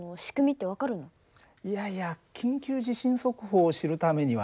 いやいや緊急地震速報を知るためにはね